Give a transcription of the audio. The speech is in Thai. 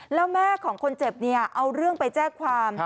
แล้วแม่ของคนเจ็บเนี่ยเอาเรื่องไปแจ้งความ